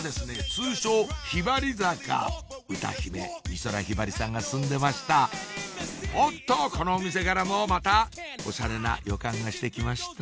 通称ひばり坂歌姫美空ひばりさんが住んでましたおっとこのお店からもまたおしゃれな予感がしてきました